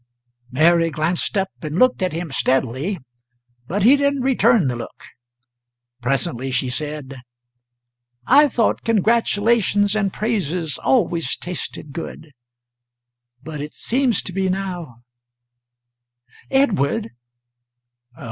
Mary glanced up and looked at him steadily, but he didn't return the look. Presently she said: "I thought congratulations and praises always tasted good. But it seems to me, now Edward?"